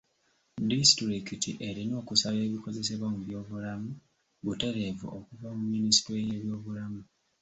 Disitulikiti erina okusaba ebikozesebwa mu by'obulamu butereevu okuva mu minisitule y'ebyobulamu.